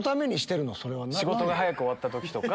仕事が早く終わった時とか。